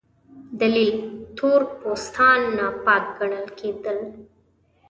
دلیل: تور پوستان ناپاک ګڼل کېدل.